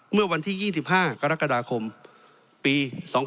เมื่อวันที่๒๕กรกฎาคมปี๒๕๖๒